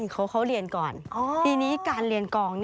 เขาเรียนก่อนทีนี้การเรียนกอง